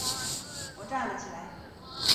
我站了起来